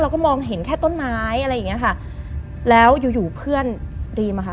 ก็มองเห็นแค่ต้นไม้อะไรอย่างเงี้ยค่ะแล้วอยู่อยู่เพื่อนรีมอ่ะค่ะ